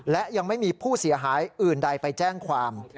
และยังไม่มีผู้เสียหายอื่นใดไปแจ้งความ